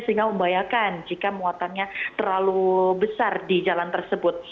sehingga membahayakan jika muatannya terlalu besar di jalan tersebut